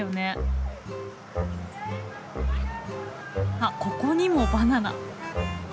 あっここにもバナナ。